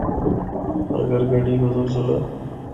اگر گڈی گزر جُلا۔